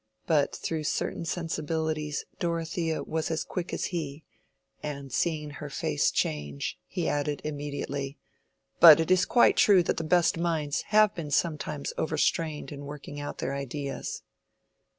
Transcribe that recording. But through certain sensibilities Dorothea was as quick as he, and seeing her face change, he added, immediately, "But it is quite true that the best minds have been sometimes overstrained in working out their ideas."